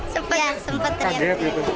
sempat sempat teriak teriak